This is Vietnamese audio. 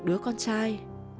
đứa con trai